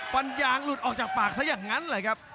ฟันยางหลุดออกจากปากซะอย่างนั้นแหละครับ